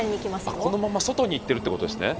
あっこのまま外に行ってるってことですね。